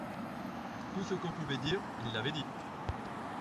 Tout ce qu’on pouvait dire, il l’avait dit !…